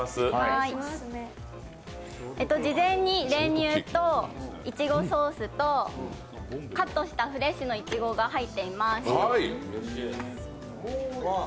事前に練乳といちごソースと、カットしたフレッシュのいちごが入っています。